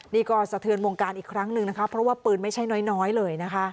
นี่ก็สะเทือนวงการอีกครั้งหนึ่งนะคะเพราะว่าปืนไม่ใช่น้อยเลยนะคะ